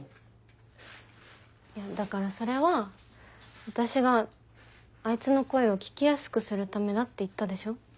だからそれは私があいつの声を聞きやすくするためだって言ったでしょ？